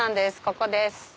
ここです。